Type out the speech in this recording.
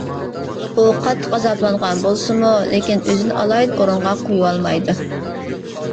ئۇ قاتتىق ئازابلانغان بولسىمۇ، لېكىن ئۆزىنى ئالاھىدە ئورۇنغا قويۇۋالمايدۇ.